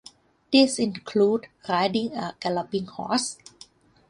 These included riding a galloping horse.